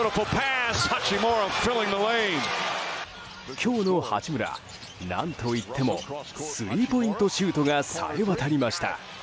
今日の八村、何といってもスリーポイントシュートがさえわたりました。